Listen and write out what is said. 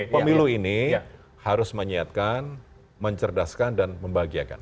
pemilu ini harus menyiapkan mencerdaskan dan membahagiakan